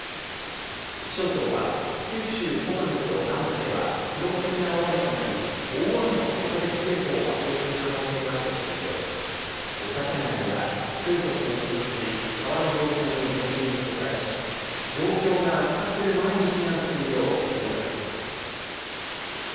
気象庁は九州北部と南部では記録的な大雨となり、大雨の特別警報を発表する可能性があるとしていて、土砂災害や低い土地の浸水、川の増水に厳重に警戒し、状況が悪化する前に避難するよう呼びかけています。